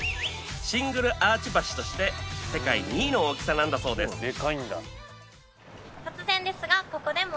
シングルアーチ橋として世界２位の大きさなんだそうです